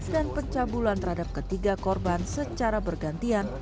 dan pencabulan terhadap ketiga korban secara bergantian